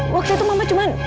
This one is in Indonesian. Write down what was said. waktu itu mama cuma